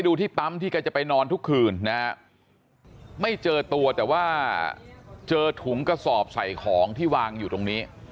ดูที่ปั๊มที่แกจะไปนอนทุกคืนนะฮะไม่เจอตัวแต่ว่าเจอถุงกระสอบใส่ของที่วางอยู่ตรงนี้